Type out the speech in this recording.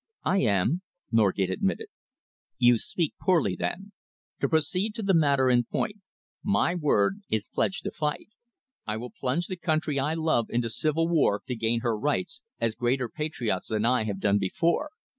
"I am," Norgate admitted. "You speak poorly, then. To proceed to the matter in point, my word is pledged to fight. I will plunge the country I love into civil war to gain her rights, as greater patriots than I have done before.